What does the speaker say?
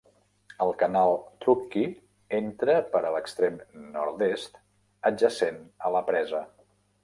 El canal Truckee entra per l'extrem nord-est, adjacent a la presa.